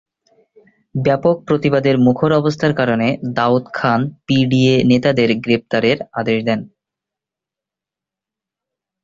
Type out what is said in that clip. ব্যাপক প্রতিবাদের মুখর অবস্থার কারণে দাউদ খান পিডিপিএ নেতাদের গ্রেপ্তারের আদেশ দেন।